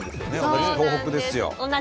同じ東北です。